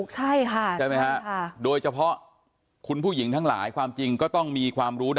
ใช่ค่ะใช่ไหมฮะโดยเฉพาะคุณผู้หญิงทั้งหลายความจริงก็ต้องมีความรู้